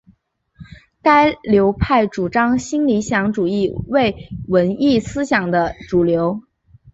该流派主张新理想主义为文艺思想的主流。